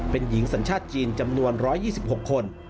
เป็นหญิงสัญชาติจีนจำนวน๑๒๖คน